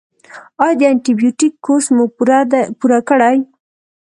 ایا د انټي بیوټیک کورس مو پوره کړی؟